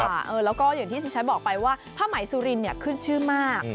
แล้วก็อย่างที่ดิฉันบอกไปว่าผ้าไหมสุรินเนี่ยขึ้นชื่อมาก